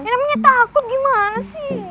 namanya takut gimana sih